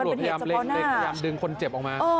ตำรวจพยายามเล็งพยายามดึงคนเจ็บออกมา